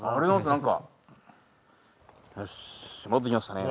何かよし戻ってきましたね